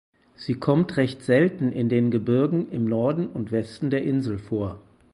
Sie kommt recht selten in den Gebirgen im Norden und Westen der Insel vor.